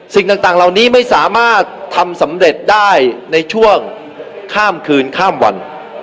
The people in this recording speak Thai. สิ่งต่างเหล่านี้ไม่สามารถทำสำเร็จได้ในช่วงข้ามคืนข้ามวัน